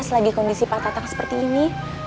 selagi kondisi pak tatang seperti ini